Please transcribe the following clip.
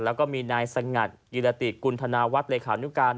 แล้วก็มีนายสงัดกิรติกุณธนาวัฒน์เลขานุการ